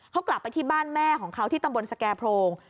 เขากลับไปที่บ้านแม่ของเขาที่ตำบลสแก่โพรง